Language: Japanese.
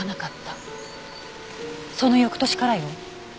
その翌年からよ。